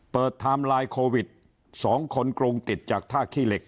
เปิดทามไลน์โควิดสองคนกรุงติดจากท่าขี้เหล็ก